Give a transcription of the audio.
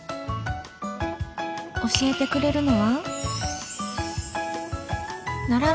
教えてくれるのは奈良